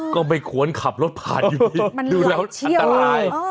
ก็ไม่ควรขับรถผ่านอยู่ดีดูแล้วอันตราย